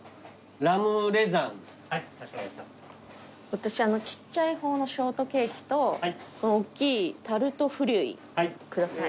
私ちっちゃい方のショートケーキとおっきいタルトフリュイ下さい。